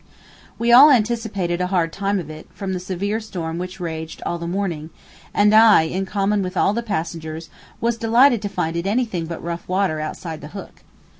We all anticipated a hard time of it, from the severe storm which raged all the morning, and I, in common with all the passengers, was delighted to find it any thing but rough water outside the Hook.